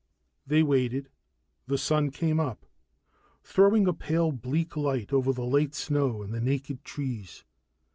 They waited. The sun came up, throwing a pale bleak light over the late snow and the naked trees.